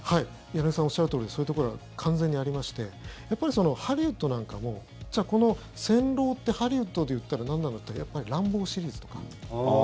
柳澤さんがおっしゃるとおりそういうところは完全にありましてやっぱりハリウッドなんかもこの「戦狼」ってハリウッドでいったらなんなのっていったらやっぱり「ランボー」シリーズとか。